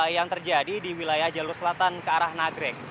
yang terjadi di wilayah jalur selatan ke arah nagrek